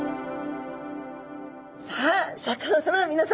さあシャーク香音さまみなさま。